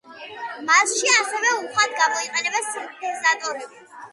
მასში ასევე უხვად გამოიყენება სინთეზატორები.